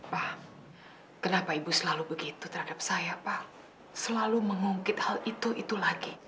pak kenapa ibu selalu begitu terhadap saya pak selalu mengungkit hal itu itu lagi